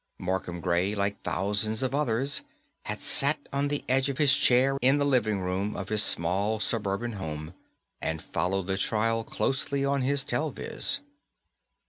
Markham Gray, like thousands of others, had sat on the edge of his chair in the living room of his small suburban home, and followed the trial closely on his telviz.